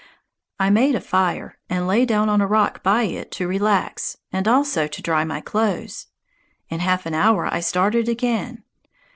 I made a fire and lay down on a rock by it to relax, and also to dry my clothes. In half an hour I started on again.